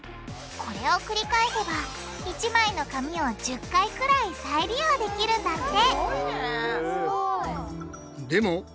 これを繰り返せば１枚の紙を１０回くらい再利用できるんだってすごいね！